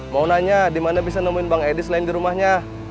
mau nanya di mana bisa nemuin bang edi selain di rumahnya